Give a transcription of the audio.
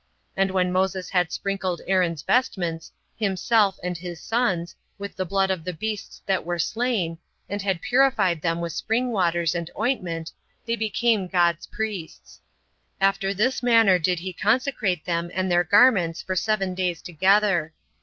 And when Moses had sprinkled Aaron's vestments, himself, and his sons, with the blood of the beasts that were slain, and had purified them with spring waters and ointment, they became God's priests. After this manner did he consecrate them and their garments for seven days together.